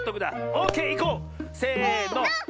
オーケーいこう！せの。